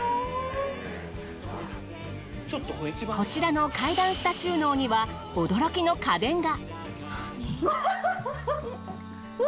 こちらの階段下収納には驚きの家電が。